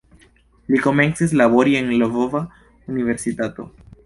Li komencis labori en "Lvova Universitato".